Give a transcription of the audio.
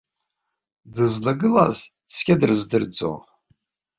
Дызлагылаз цқьа дрыздырӡом.